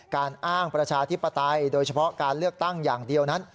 การอ้างประชาธิปไตยโดยเฉพาะการเลือกตั้งอย่างเดียวนั้น